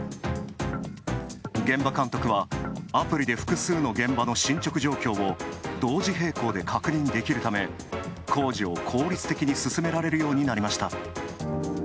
現場監督は、アプリで複数の現場の進捗状況を同時並行で確認できるため、工事を効率的に進められるようになりました。